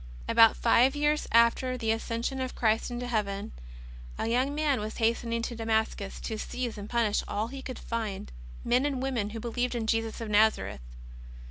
About five years after the Ascension of Christ into Heaven, a young man was hastening to Damascus to seize and punish all he could find, men and women who believed in Jesus of Nazareth.